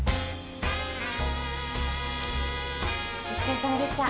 お疲れさまでした。